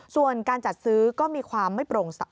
ส่วนการจัดซื้อก็มีความไม่โปร่งใส